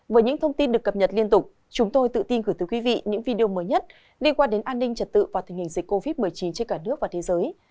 với những thông tin được cập nhật liên tục chúng tôi tự tin gửi tới quý vị những video mới nhất liên quan đến an ninh trật tự và tình hình dịch covid một mươi chín trên cả nước và thế giới